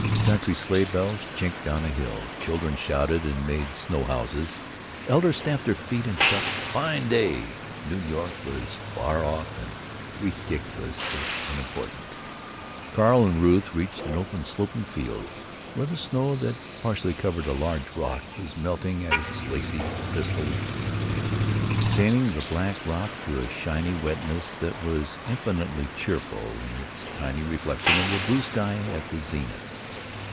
Country sleigh bells chinkled down a hill; children shouted and made snow houses; elders stamped their feet and clucked, "Fine day!" New York was far off and ridiculously unimportant. Carl and Ruth reached an open sloping field, where the snow that partly covered a large rock was melting at its lacy, crystaled edges, staining the black rock to a shiny wetness that was infinitely cheerful in its tiny reflection of the blue sky at the zenith.